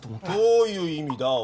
どういう意味だ？